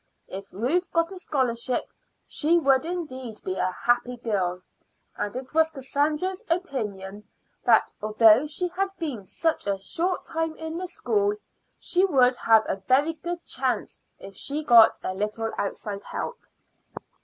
If Ruth got a scholarship she would indeed be a happy girl, and it was Cassandra's, opinion that, although she had been such a short time in the school, she would have a very good chance if she got a little outside help.